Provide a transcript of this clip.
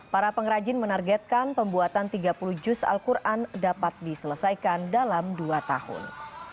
para pengrajin menargetkan pembuatan tiga puluh juz al quran dapat diselesaikan dalam dua tahun